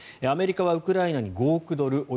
アメリカはウクライナに５億ドル